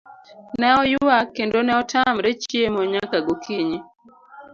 Ne oyuak kendo ne otamre chiemo nyaka gokinyi.